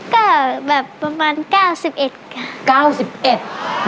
ก็แบบประมาณ๙๑ก่อน